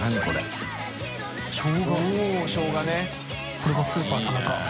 これも「スーパー田中」